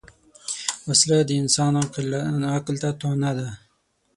وسله د انسان عقل ته طعنه ده